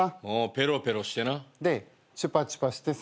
ペロペロしてな。でチュパチュパしてさ。